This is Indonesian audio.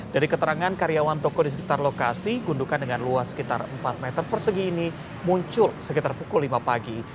dari keterangan karyawan toko di sekitar lokasi gundukan dengan luas sekitar empat meter persegi ini muncul sekitar pukul lima pagi